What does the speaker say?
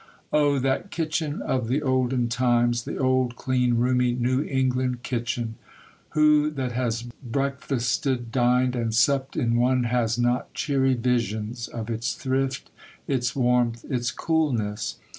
Oh, that kitchen of the olden times, the old, clean, roomy New England kitchen! Who that has breakfasted, dined, and supped in one has not cheery visions of its thrift, its warmth, its coolness?